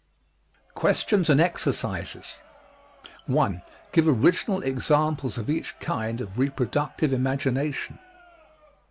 QUESTIONS AND EXERCISES 1. Give original examples of each kind of reproductive imagination.